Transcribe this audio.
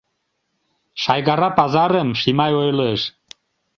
— Шайгара пазарым Шимай ойлыш...